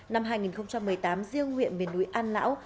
năm hai nghìn một mươi tám riêng huyện miền núi an lão